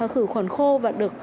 khử khuẩn khô và được